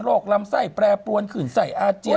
โรคล้ำไส้แปรปรวนขึ้นใส่อาจเจียน